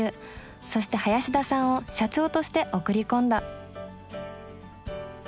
そして林田さんを社長として送り込んだ。